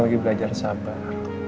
lagi belajar sabar